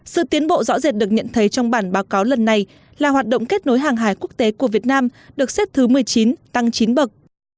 sự tiến bộ rõ rệt được nhận thấy trong bản báo cáo lần này là hoạt động kết nối hàng hải quốc tế của việt nam được xếp thứ một mươi chín tăng chín bậc